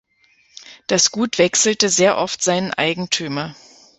Das Gut wechselte sehr oft seinen Eigentümer.